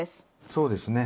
そうですね。